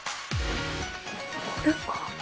これか？